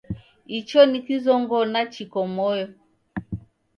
Icho ni kizong'ona chiko moyo